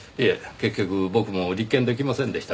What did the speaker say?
結局僕も立件出来ませんでしたから。